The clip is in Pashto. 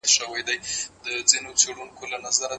په علمي لیکنو کي د ساده کلمو کارول اړین دي.